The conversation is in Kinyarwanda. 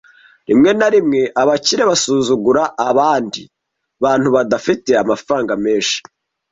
Rimwe na rimwe abakire basuzugura abandi bantu badafite amafaranga menshi.